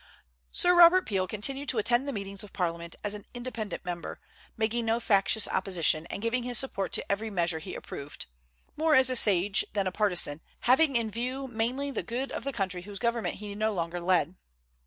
Sir Robert Peel continued to attend the meetings of Parliament as an independent member, making no factious opposition, and giving his support to every measure he approved, more as a sage than a partisan, having in view mainly the good of the country whose government he no longer led.